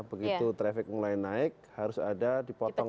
begitu traffic mulai naik harus ada dipotong